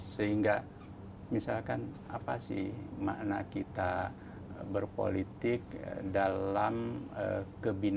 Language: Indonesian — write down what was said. sehingga misalkan apa sih makna kita berpolitik dalam kebenaran